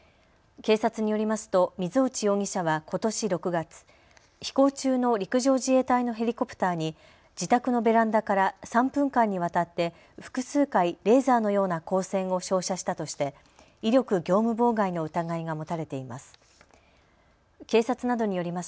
警察によりますと水落容疑者はことし６月、飛行中の陸上自衛隊のヘリコプターに自宅のベランダから３分間にわたって複数回レーザーのような光線を照射したとして威力業務妨害の疑いが持たれています。